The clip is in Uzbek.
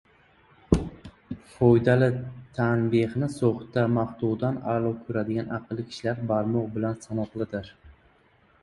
Foydali tanbehni soxta maqtovdan a’lo ko‘radigan aqlli kishilar barmoq bilan sanoqlidir.